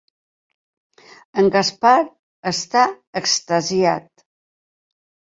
El Gaspar està extasiat.